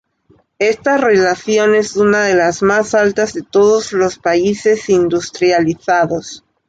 Esta relación es una de las más altas de todos los países industrializados.